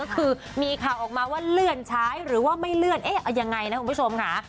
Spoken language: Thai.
ก็คือมีข่าวออกมาว่าเลื่อนใช้หรือว่าไม่เลื่อนเอ๊ะเอายังไงนะคุณผู้ชมค่ะ